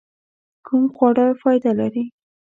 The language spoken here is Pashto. کوم خواړه فائده لري؟